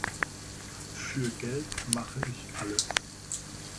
Für Geld mache ich alles.